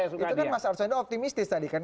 itu kan mas arswendo optimistis tadi kan